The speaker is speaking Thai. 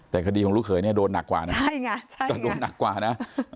แต่คดีของลูกเขยเนี่ยโดนหนักกว่านะใช่ไงใช่ก็โดนหนักกว่านะ